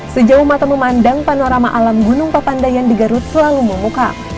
sejauh mata memandang panorama alam gunung papandayan di garut selalu memuka